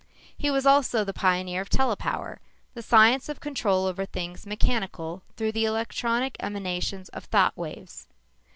He was also the pioneer of telepower, the science of control over things mechanical through the electronic emanations of thought waves.